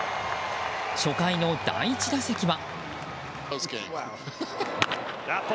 初回の第１打席は。